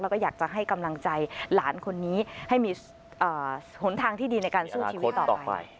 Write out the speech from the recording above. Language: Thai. แล้วก็อยากจะให้กำลังใจหลานคนนี้ให้มีหนทางที่ดีในการสู้ชีวิตต่อไป